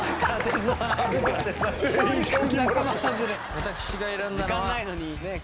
私が選んだのは。